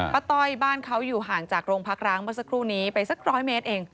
ต้อยบ้านเขาอยู่ห่างจากโรงพักร้างเมื่อสักครู่นี้ไปสักร้อยเมตรเอง